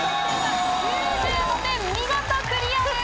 ９５点見事クリアです。